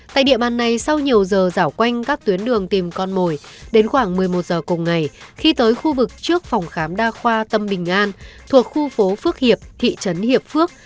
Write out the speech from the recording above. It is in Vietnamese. tại địa bàn này sau nhiều giờ quanh các tuyến đường tìm con mồi đến khoảng một mươi một giờ cùng ngày khi tới khu vực trước phòng khám đa khoa tâm bình an thuộc khu phố phước hiệp thị trấn hiệp phước